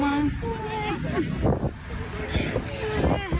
ดูสิ